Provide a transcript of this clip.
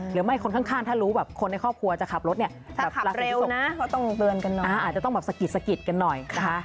หรือไม่คนข้างถ้ารู้แบบคนในครอบครัวจะขับรถเนี่ยแบบเร็วนะก็ต้องเตือนกันหน่อยอาจจะต้องแบบสะกิดสะกิดกันหน่อยนะคะ